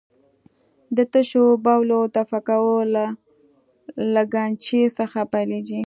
د تشو بولو دفع کول له لګنچې څخه پیلېږي.